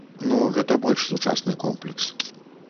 Ну, гэта больш сучасны комплекс.